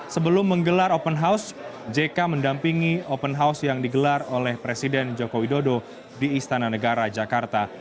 sebelum menggelar open house jk mendampingi open house yang digelar oleh presiden joko widodo di istana negara jakarta